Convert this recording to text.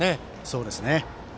そうですね。